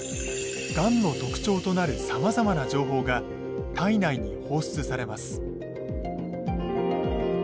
がんの特徴となるさまざまな情報が体内に放出されます。